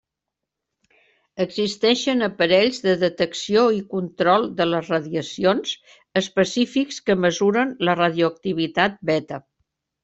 Existeixen aparells de detecció i control de les radiacions específics que mesuren la radioactivitat beta.